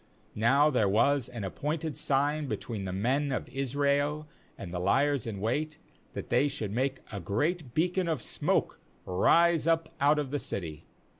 38Now there was an appointed sign between the men of Israel and the liers in wait, that they should make a great beac9n of smoke r,ise up out of the city.